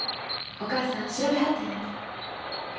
お母さん調べはったんやて。